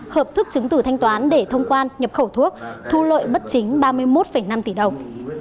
hợp thức chứng tử thanh toán để thông quan nhập khẩu thuốc thu lợi bất chính ba mươi một năm tỷ đồng